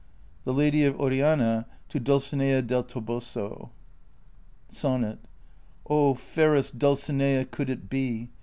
THE LADY OEIANA^ TO DULCINEA DEL TOBOSO. SONNET. Oh, fairest Dulcinea, could it be